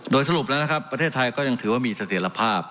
โดยสรุปแล้วนะครับประเทศไทยก็ยังถือว่ามีเสถียรภาพ